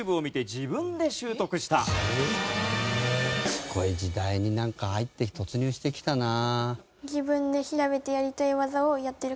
すごい時代になんか入って突入してきたなあ。